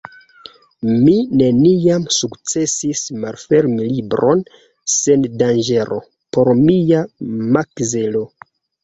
Mi neniam sukcesis malfermi libron sen danĝero por mia makzelo.